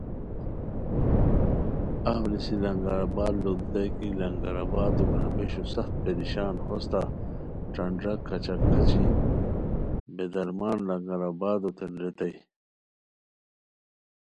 اف نیسی لنگر آباد لوڑتائے کی لنگرآبادو گرامبیشو سخت پریشان ہوستہ ݯانݮا کھچا کھچی بے درمان لنگر آبادو تین ریتائے